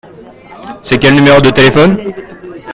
C'est quel numéro de téléphone ?